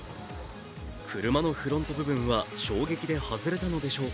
車のフロント部分は衝撃で外れたのでしょうか。